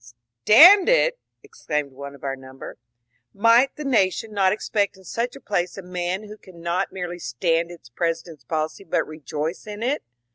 ^* Stand it I " exclaimed one of our number. *' Might the na tion not expect in such a place a man who can not merely stand its President's policy but rejoice in it?"